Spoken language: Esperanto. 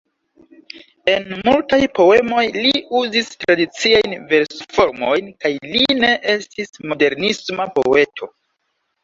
En multaj poemoj li uzis tradiciajn vers-formojn kaj li ne estis modernisma poeto.